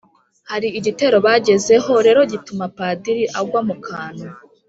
hari igitero bagezeho rero gituma padiri agwa mu kantu,